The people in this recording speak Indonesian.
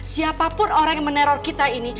siapapun orang yang meneror kita ini